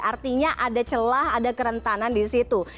artinya ada celah ada kerentanan di situ